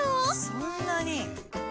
そんなに！